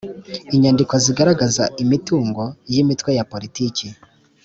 inyandiko zigaragaza imitungo y’ imitwe ya politiki